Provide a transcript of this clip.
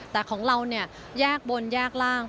แต่ของเราเนี่ยแยกบนแยกล่าง